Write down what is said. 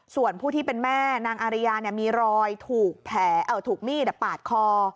ส่วนผู้ที่เป็นแม่นางอาริยามีรอยถูกมีดปาดคอ